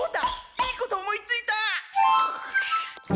いいこと思いついた！